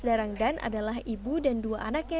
darangdan adalah ibu dan dua anaknya